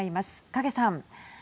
影さん。